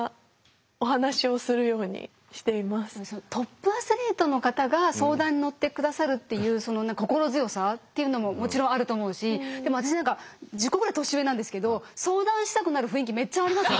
トップアスリートの方が相談に乗って下さるっていうその心強さっていうのももちろんあると思うしでも私何か１０個ぐらい年上なんですけど相談したくなる雰囲気めっちゃあります。